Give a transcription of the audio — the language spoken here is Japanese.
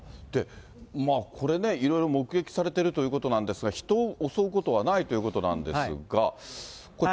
これね、いろいろ目撃されているということなんですが、人を襲うことはないということなんですが。